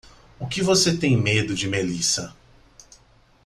O que você tem medo de Melissa?